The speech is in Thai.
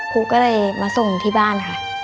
ครูก็เลยมาส่งที่บ้านค่ะ